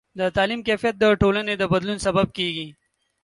د تعلیم کیفیت د ټولنې د بدلون سبب کېږي.